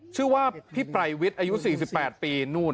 ชื่อว่าพี่ปรายวิทย์อายุ๔๘ปี